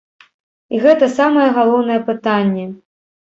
І гэта самае галоўнае пытанне!